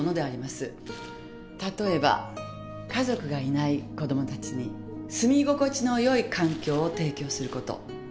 例えば家族がいない子供たちに住み心地の良い環境を提供する事。